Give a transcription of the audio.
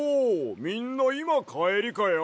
みんないまかえりかや？